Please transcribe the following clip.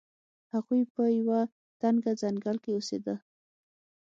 هغوی په یو تکنه ځنګل کې اوسیده.